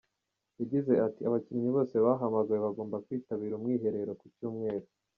Yagize ati “Abakinnyi bose bahamagawe bagomba kwitabira umwiherero ku Cyumweru.